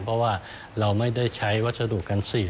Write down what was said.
เพราะว่าเราไม่ได้ใช้วัสดุกัน๔